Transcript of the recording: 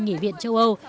nghị viện châu âu